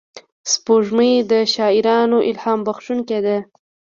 سپوږمۍ د شاعرانو الهام بښونکې ده